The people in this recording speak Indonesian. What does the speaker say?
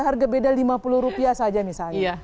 harga beda lima puluh rupiah saja misalnya